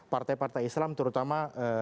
partai partai islam terutama